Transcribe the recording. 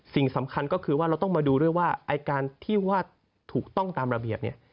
สิ่งสำคัญก็คือว่าเราต้องมาดูด้วยว่าไอ้การที่ว่าถูกต้องตามระเบียบเนี่ย